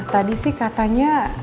tadi sih katanya